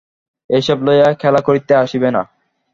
এসব লইয়া খেলা করিতে আসিবে না।